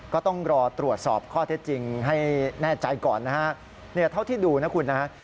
ก็ต้องรอตรวจสอบข้อเท็จจริงให้แน่ใจก่อนนะฮะเนี่ยเท่าที่ดูนะคุณนะฮะ